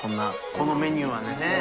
このメニューはね。